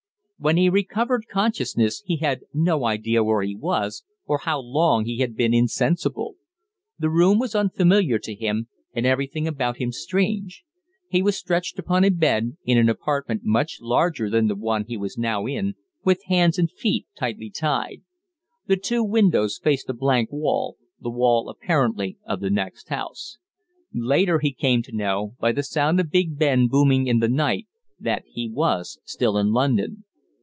When he recovered consciousness he had no idea where he was, or how long he had been insensible. The room was unfamiliar to him, and everything about him strange. He was stretched upon a bed, in an apartment much larger than the one he was now in, with hands and feet tightly tied. The two windows faced a blank wall, the wall apparently of the next house; later he came to know, by the sound of Big Ben booming in the night, that he was still in London.